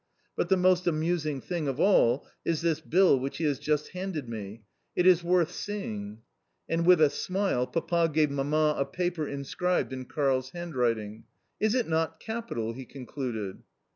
But the most amusing thing of all is this bill which he has just handed me. It is worth seeing," and with a smile Papa gave Mamma a paper inscribed in Karl's handwriting. "Is it not capital?" he concluded.